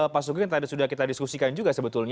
pasuknya tadi sudah kita diskusikan juga sebetulnya